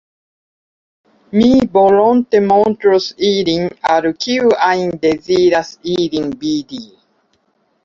Mi volonte montros ilin al kiu ajn deziras ilin vidi.